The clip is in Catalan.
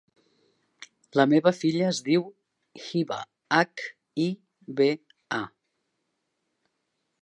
La meva filla es diu Hiba: hac, i, be, a.